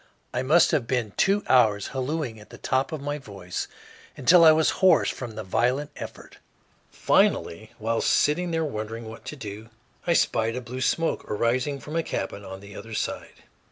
I must have been two hours hallooing at the top of my voice, until I was hoarse from the violent effort. Finally, while sitting there wondering what to do, I spied a blue smoke arising from a cabin on the other side.